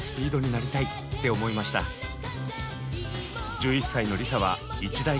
１１歳のＬｉＳＡは一大決心。